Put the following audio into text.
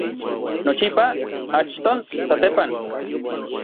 nochipa, achton, satepan